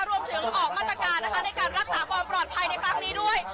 ออกมาตรการนะคะในการรักษาความปลอดภัยในครั้งนี้ด้วย